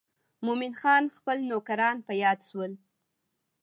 مومن خان خپل نوکران په یاد شول.